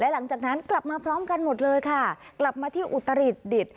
หลังจากนั้นกลับมาพร้อมกันหมดเลยค่ะกลับมาที่อุตรดิษฐ์